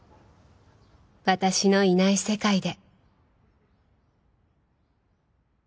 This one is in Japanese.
私のいない世界で